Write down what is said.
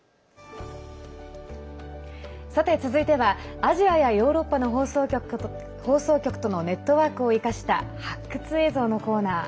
続いてはアジアやヨーロッパの放送局とのネットワークを生かした発掘映像のコーナー。